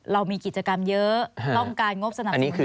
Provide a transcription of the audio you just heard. เรามีกิจกรรมเยอะหรือล่องการงบสนามสรุปดีหรือ